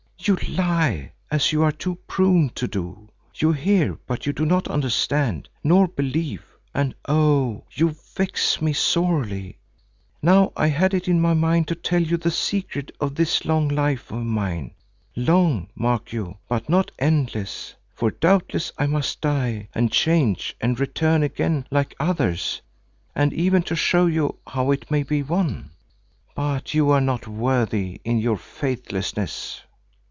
"You lie, as you are too prone to do. You hear but you do not understand nor believe, and oh! you vex me sorely. Now I had it in my mind to tell you the secret of this long life of mine; long, mark you, but not endless, for doubtless I must die and change and return again, like others, and even to show you how it may be won. But you are not worthy in your faithlessness."